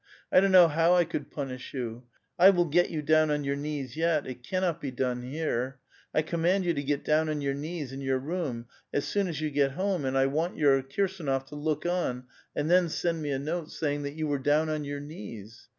I don't know how I could punish you. I will get you down on your knees yet ; it cannot be done here. I command you to get down on your knees in your room, as soon as you get home, and I want your Kirsd nof to look on, and then send me a note, savinor that vou were down on your knees.